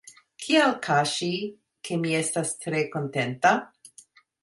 Kial kaŝi, ke mi estis tre kontenta?.